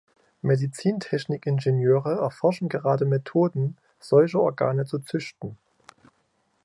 Medizintechnik-Ingenieure erforschen gerade Methoden, solche Organe zu züchten.